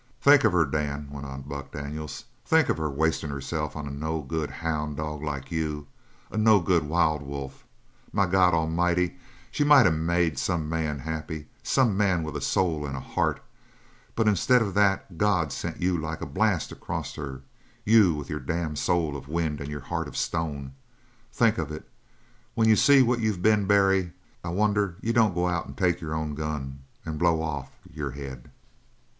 "Think of her, Dan!" went on Buck Daniels. "Think of her wasting herself on a no good houn' dog like you a no good wild wolf! My God A'mighty, she might of made some good man happy some man with a soul and a heart but instead of that God sent you like a blast across her you with your damned soul of wind and your heart of stone! Think of it! When you see what you been, Barry, I wonder you don't go out and take your own gun and blow off your head."